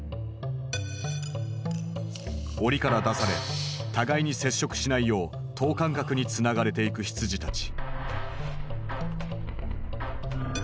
おりから出され互いに接触しないよう等間隔につながれていく羊たち。